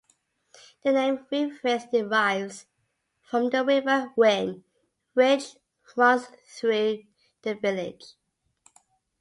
The name Winfrith derives from the river Win, which runs through the village.